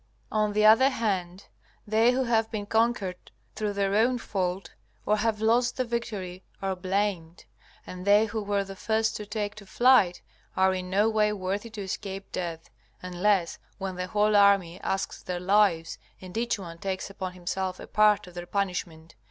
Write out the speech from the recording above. On the other hand, they who have been conquered through their own fault, or have lost the victory, are blamed; and they who were the first to take to flight are in no way worthy to escape death, unless when the whole army asks their lives, and each one takes upon himself a part of their punishment.